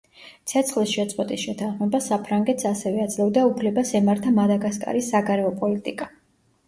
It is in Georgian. ცეცხლის შეწყვეტის შეთანხმება საფრანგეთს ასევე აძლევდა უფლებას ემართა მადაგასკარის საგარეო პოლიტიკა.